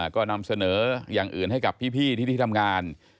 ก็นำเสนออย่างอื่นให้กับพี่ที่ทำงาน